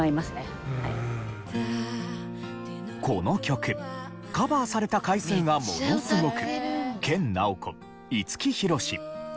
この曲カバーされた回数がものすごく研ナオコ五木ひろしＪＵＪＵ